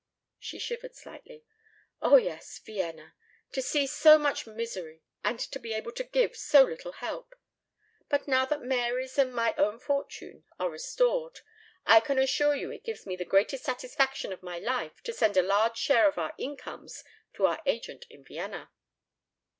She shivered slightly. "Oh, yes! Vienna! To see so much misery and to be able to give so little help! But now that Mary's and my own fortune are restored I can assure you it gives me the greatest satisfaction of my life to send a large share of our incomes to our agent in Vienna."